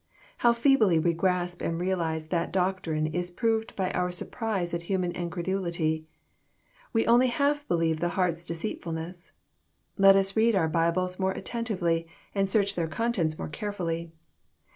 How feebly we grasp and realize that doctrine is proved by our surprise at human incredulity. We only half believe the heart's deceitful ness. Let us read our Bibles more attentively, and search their contents more carefully.